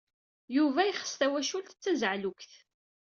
Yuba yexs twacult d tazeɛlukt.